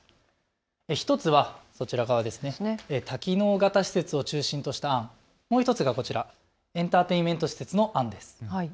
１つは多機能型施設を中心とした案、もう１つがこちら、エンターテインメント施設の案です。